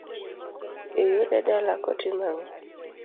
Iyude dala kotimo ang'o?